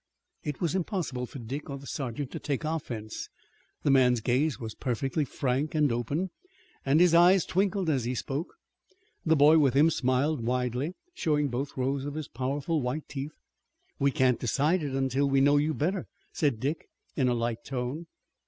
It was impossible for Dick or the sergeant to take offense. The man's gaze was perfectly frank and open and his eyes twinkled as he spoke. The boy with him smiled widely, showing both rows of his powerful white teeth. "We can't decide it until we know you better," said Dick in a light tone.